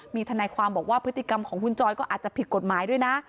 มีทนายความบอกว่าพฤติกรรมของคุณจอยก็อาจจะผิดกฎหมายด้วยนะ